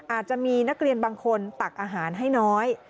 อาจจะมีนักเรียนบางคนตักอาหารให้น้อย